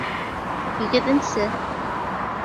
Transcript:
Һигеҙенсе.